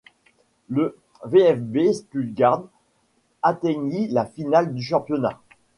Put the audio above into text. Le VfB Stuttgart atteignit la finale du championnat.